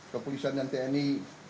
kepolisian dan tni